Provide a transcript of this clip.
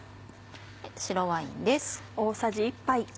白ワインです。